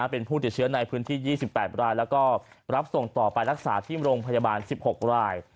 เป็นผู้ติดเชื้อในพื้นที่๒๘รายแล้วก็รับส่งต่อไปรักษาที่โรงพยาบาล๑๖ราย